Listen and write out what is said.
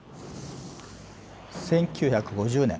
１９５０年